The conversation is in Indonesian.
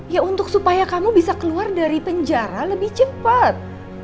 ya untuk supaya kamu bisa keluar dari penjara lebih cepat